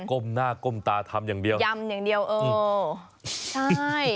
ก้มหน้าก้มตาทำอย่างเดียวยำอย่างเดียวเออใช่